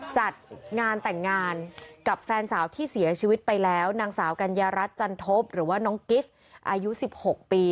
จัดงานแต่งงานกับแฟนสาวที่เสียชีวิตไปแล้วนางสาวกัญญารัฐจันทบหรือว่าน้องกิฟต์อายุ๑๖ปี